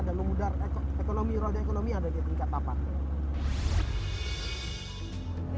dan memang kebutuhan ekonomi terkait dengan produksi ikan yang dalam kawasan juga sudah mudah